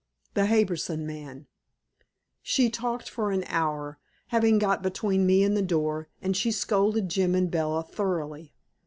THE HARBISON MAN She talked for an hour, having got between me and the door, and she scolded Jim and Bella thoroughly.